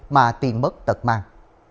mà tiền bất tật mang